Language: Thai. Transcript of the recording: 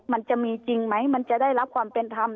มันจะมีจริงไหมมันจะได้รับความเป็นธรรม